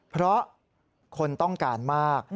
เพราะคนต้องการมาก